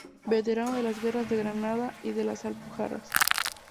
Veterano de las guerras de Granada y de las Alpujarras.